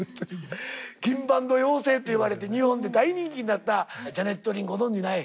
「銀盤の妖精」って言われて日本で大人気になったジャネット・リンご存じない？